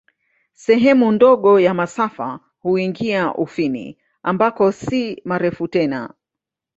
Sehemu ndogo ya masafa huingia Ufini, ambako si marefu tena.